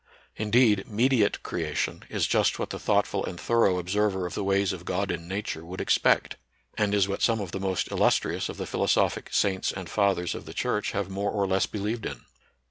Indeed, mediate creation is just what the thoughtful and thorough observer of the ways of God in Nature would expect, and is what some of the most illustrious of the phi losophic saints and fathers of the church have more or less believed in.